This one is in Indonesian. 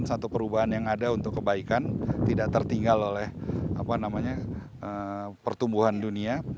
dan kemudian satu perubahan yang ada untuk kebaikan tidak tertinggal oleh pertumbuhan dunia